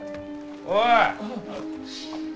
おい！